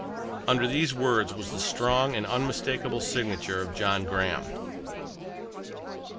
Under these words was the strong and unmistakable signature of John Graham.